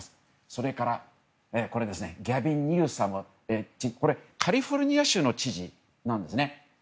それからギャビン・ニューサム氏カリフォルニア州の知事なんですね。